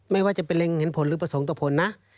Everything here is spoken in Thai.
ไม่ว่าจะเป็นเร็งเห็นผลหรือประสงค์ต่อผลนะ